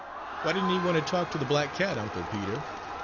"Why didn't he want to talk to the black cat, Uncle Peter?"